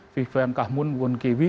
vivian khamun mwunkewi